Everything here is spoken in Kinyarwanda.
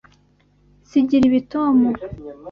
Nsigira ibi, Tom.